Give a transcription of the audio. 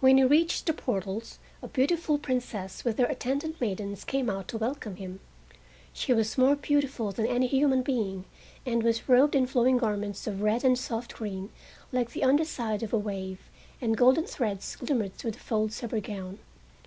When he reached the portals a beautiful Princess with her attendant maidens came out to welcome him. She was more beautiful than any human being, and was robed in flowing garments of red and soft green like the under side of a wave, and golden threads glimmered through the folds of her gown.